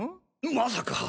まさか！